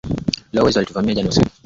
Lo! Wezi walituvamia jana usiku.